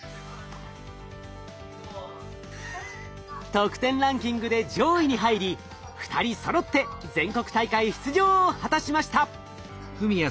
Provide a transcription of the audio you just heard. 得点ランキングで上位に入り２人そろって全国大会出場を果たしました。